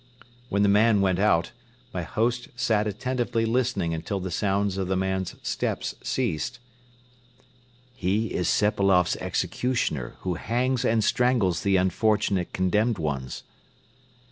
When the man went out, my host sat attentively listening until the sounds of the man's steps ceased. "He is Sepailoff's executioner who hangs and strangles the unfortunate condemned ones."